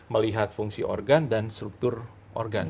melihat fungsi organ dan struktur organ